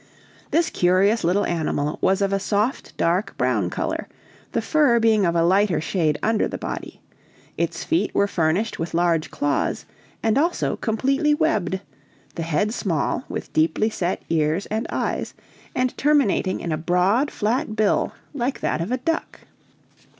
This curious little animal was of a soft, dark brown color, the fur being of a lighter shade under the body; its feet were furnished with large claws, and also completely webbed, the head small, with deeply set eyes and ears, and terminating in a broad flat bill like that of a duck.